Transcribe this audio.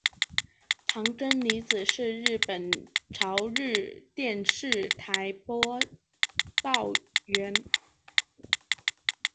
堂真理子是日本朝日电视台播报员。